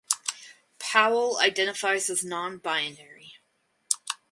Powell identifies as Nonbinary.